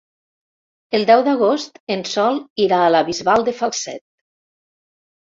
El deu d'agost en Sol irà a la Bisbal de Falset.